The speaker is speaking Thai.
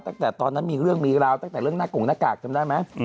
ตั้งแต่ตอนนั้นมีเรื่องมีราวตั้งแต่เรื่องหน้ากงหน้ากากจำได้ไหม